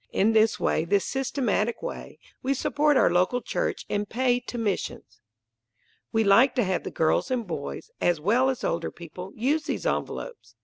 In this way, this systematic way, we support our local church and pay to missions. We like to have the girls and boys, as well as older people, use these envelopes.